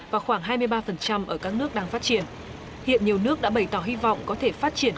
và khoảng hai mươi ba ở các nước đang phát triển hiện nhiều nước đã bày tỏ hy vọng có thể phát triển